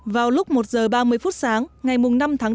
vào lúc một h ba mươi phút sáng ngày năm tháng bốn